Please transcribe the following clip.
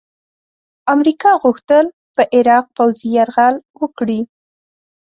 امریکا غوښتل په عراق پوځي یرغل وکړي.